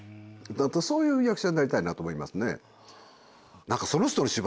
そういう役者になりたいなと思いますね。